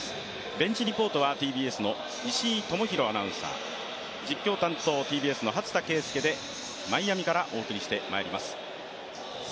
ベンチリポートはＴＢＳの石井大裕アナウンサー、実況担当、ＴＢＳの初田啓介でマイアミからお送りしてまいります。